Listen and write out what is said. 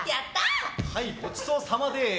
はい、ごちそうさまです！